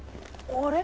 あれ？